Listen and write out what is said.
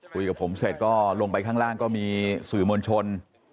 คุยกับผมเสร็จก็ลงไปข้างล่างก็มีสื่อมวลชน